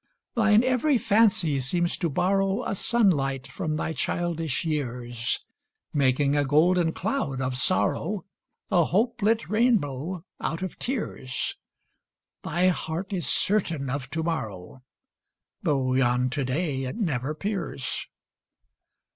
Thine every fancy seems to borrow A sunlight from thy childish years, Making a golden cloud of sorrow, A hope lit rainbow out of tears, Thy heart is certain of to morrow, Though 'yond to day it never peers.